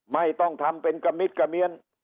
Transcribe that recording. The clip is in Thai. ไม่ต้องทำเป็นกระมิดกระเมียน